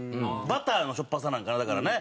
バターのしょっぱさなんかな？